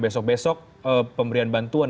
besok besok pemberian bantuan